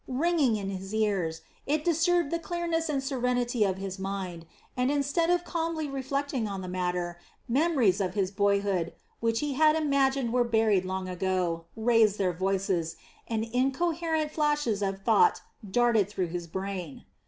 Ringing in his ears, it disturbed the clearness and serenity of his mind, and instead of calmly reflecting on the matter, memories of his boyhood, which he had imagined were buried long ago, raised their voices, and incoherent flashes of thought darted through his brain.